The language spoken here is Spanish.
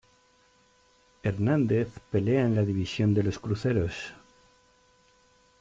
Hernández pelea en la división de los cruceros.